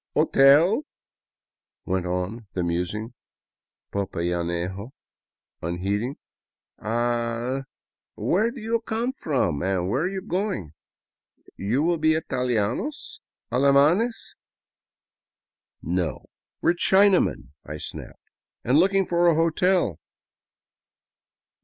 " Hotel," went on the musing popayanejo, unheeding, '' Ah er where do you come from and where are you going? You will be italianos? Alemanes ?"*' No, we 're Chinamen," I snapped, " and looking for a hotel."